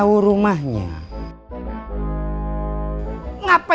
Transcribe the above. mbak jamunya kenapa ya